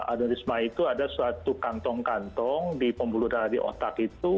aneurisma itu ada suatu kantong kantong di pembuluh darah di otak itu